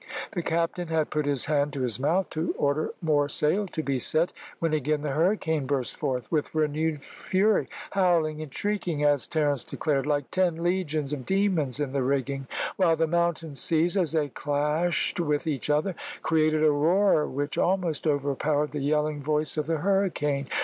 The captain had put his hand to his mouth to order more sail to be set, when again the hurricane burst forth with renewed fury, howling and shrieking, as Terence declared, like ten legions of demons in the rigging, while the mountain seas, as they clashed with each other, created a roar which almost overpowered the yelling voice of the hurricane.